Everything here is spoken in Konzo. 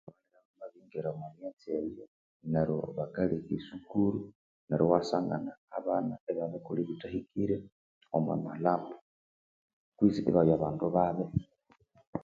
Abana bamabiringira omwa myatsi eyo neryo bakaleka esukuru neru iwasangana abana ibabirikolha ebithahikire omwa malhambo kutse ibabya bandu babi